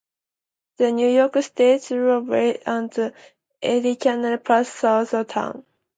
The New York State Thruway and the Erie Canal pass south of the town.